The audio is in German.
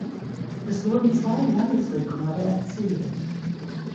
Es wurden zwei Landesrekorde erzielt.